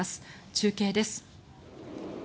中継です。